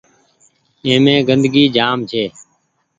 اي مين گندگي جآم ڇي۔